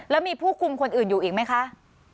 แล้วมีผู้คุมคนอื่นอยู่อีกไหมคะ